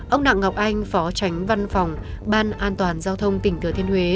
ông đặng ngọc anh phó tránh văn phòng ban an toàn giao thông tỉnh thừa thiên huế